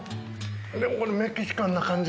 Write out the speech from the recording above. でこのメキシカンな感じ